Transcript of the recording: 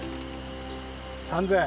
３，０００。